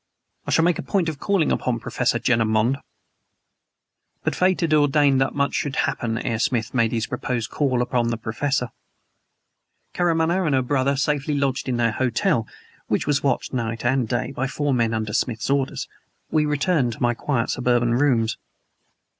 I shall make a point of calling upon Professor Jenner Monde." But Fate had ordained that much should happen ere Smith made his proposed call upon the Professor. Karamaneh and her brother safely lodged in their hotel (which was watched night and day by four men under Smith's orders), we returned to my quiet suburban rooms.